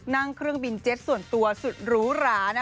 นั่งเครื่องบินเจ็ตส่วนตัวสุดหรูหรา